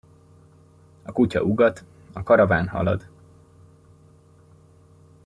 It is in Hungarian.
A kutya ugat, a karaván halad.